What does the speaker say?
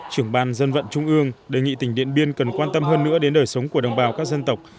trưởng ban dân vận trung ương đề nghị tỉnh điện biên cần quan tâm hơn nữa đến đời sống của đồng bào các dân tộc